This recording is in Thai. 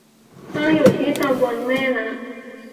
ตั้งอยู่ที่ตำบลแม่นะ